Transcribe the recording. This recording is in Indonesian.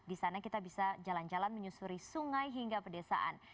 di sana kita bisa jalan jalan menyusuri sungai hingga pedesaan